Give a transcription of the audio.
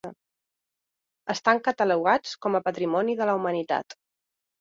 Estan catalogats com a Patrimoni de la Humanitat.